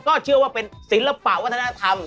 ก็เชื่อว่าเป็นศิลปะวัฒนธรรม